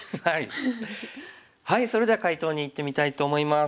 それでは解答にいってみたいと思います。